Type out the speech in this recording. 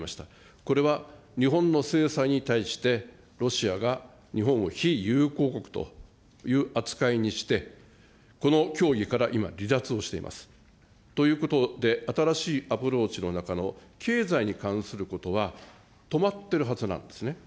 これは日本の制裁に対して、ロシアが日本を非友好国という扱いにして、この協議から今、離脱をしております。ということで、新しいアプローチの中の経済に関することは止まってるはずなんですね。